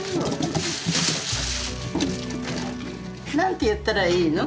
何て言ったらいいの？